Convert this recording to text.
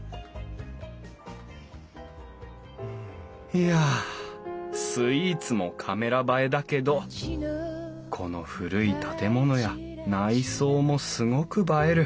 いやスイーツもカメラ映えだけどこの古い建物や内装もすごく映える。